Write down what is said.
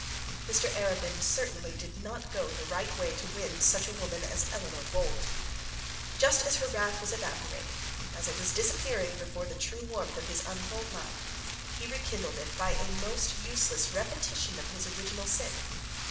Mr Arabin certainly did not go the right way to win such a woman as Eleanor Bold. Just as her wrath was evaporating, as it was disappearing before the true warmth of his untold love, he re kindled it by a most useless repetition of his original sin.